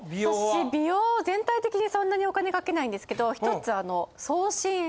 私美容全体的にそんなにお金かけないんですけど１つあの。